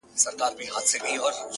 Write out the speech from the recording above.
• چي د زرکي پر دانه باندي نظر سو ,